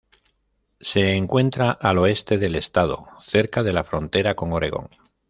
Se encuentra al oeste del estado, cerca de la frontera con Oregón.